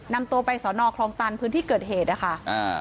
นำตัวไปสอนอคลองตันพื้นที่เกิดเหตุนะคะอ่า